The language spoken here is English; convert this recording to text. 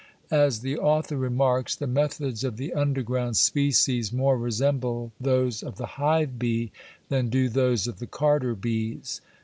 As the author remarks, the methods of the underground species more resemble those of the hive bee than do those of the carder bees.